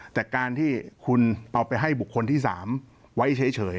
แต่การที่คุณเอาไปให้บุคคลที่๓ไว้เฉย